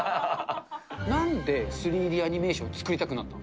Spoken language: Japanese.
なんで３Ｄアニメーションを作りたくなったの？